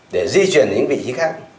để di chuyển đến vị trí khác